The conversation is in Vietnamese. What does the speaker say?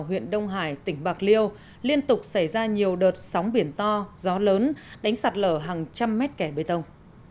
huyện đông hải tỉnh bạc liêu liên tục xảy ra nhiều đợt sóng biển to gió lớn đánh sạt lở hàng trăm mét kẻ bê tông